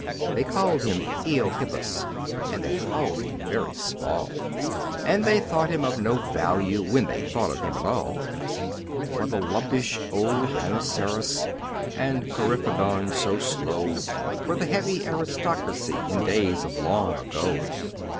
They called him Eohippus, And they called him very small, And they thought him of no value When they thought of him at all; For the lumpish old Dinoceras And Coryphodon so slow Were the heavy aristocracy In days of long ago.